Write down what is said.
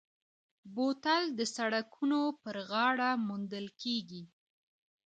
بوتل د سړکونو پر غاړه موندل کېږي.